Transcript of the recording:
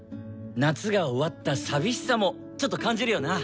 夏が終わった寂しさもちょっと感じるよな。